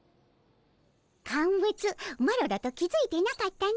カンブツマロだと気付いてなかったの。